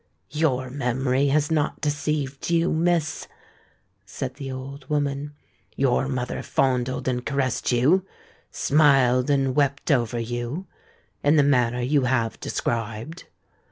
"Your memory has not deceived you, Miss," said the old woman. "Your mother fondled and caressed you—smiled and wept over you, in the manner you have described."